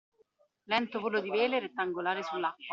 Lento volo di vele rettangolari sull’acqua